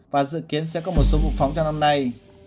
và dự kiến sẽ có một số vụ phóng trong năm nay